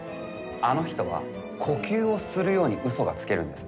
あの人は呼吸をするように嘘がつけるんです。